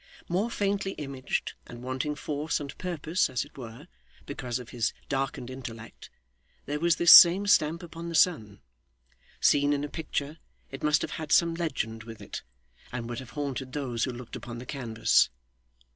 More faintly imaged, and wanting force and purpose, as it were, because of his darkened intellect, there was this same stamp upon the son. Seen in a picture, it must have had some legend with it, and would have haunted those who looked upon the canvas.